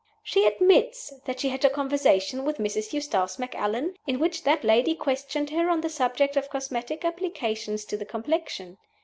She admits that she had a conversation with Mrs. Eustace Macallan, in which that lady questioned her on the subject of cosmetic applications to the complexion.